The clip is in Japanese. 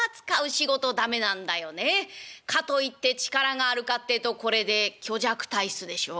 かといって力があるかってえとこれで虚弱体質でしょ？